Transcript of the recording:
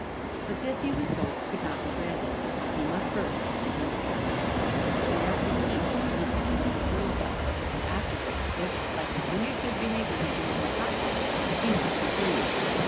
But this he was told could not then be granted. He must first, the King's council said, "swear a peace" with the kingdom of Lilliput, and afterwards, if by continued good behavior he gained their confidence, he might be freed.